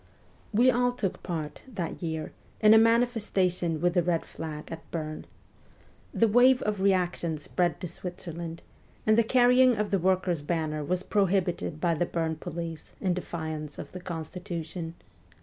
We all took part, that year, in a manifestation with the red flag at Bern. The wave of reaction spread to Switzerland, and the carrying of the workers' banner was prohibited by the Bern police in defiance of the constitution.